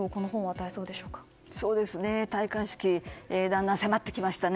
だんだん迫ってきましたね。